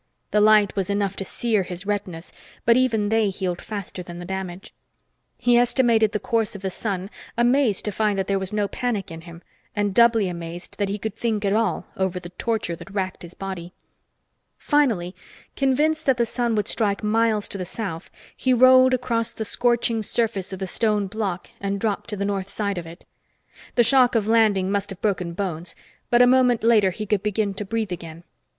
The light was enough to sear his retinas, but even they healed faster than the damage. He estimated the course of the sun, amazed to find that there was no panic in him, and doubly amazed that he could think at all over the torture that wracked his body. Finally, convinced that the sun would strike miles to the south, he rolled across the scorching surface of the stone block and dropped to the north side of it. The shock of landing must have broken bones, but a moment later he could begin to breathe again.